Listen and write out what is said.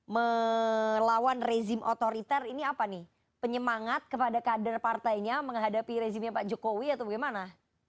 melawan rezim otoriter ini apa nih penyemangat kepada kader partainya menghadapi rezimnya pak jokowi atau bagaimana